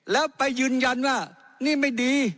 แล้วไปยืนยันว่านี่ไม่ดี